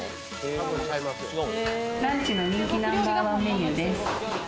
ランチの人気ナンバーワンメニューです。